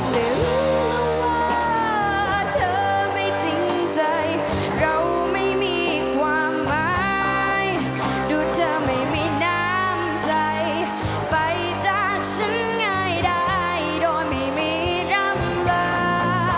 ไปจากฉันให้ได้โดนไม่มีรำลา